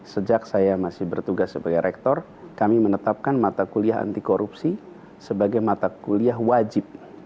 sejak saya masih bertugas sebagai rektor kami menetapkan mata kuliah anti korupsi sebagai mata kuliah wajib